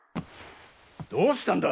どうしたんだ？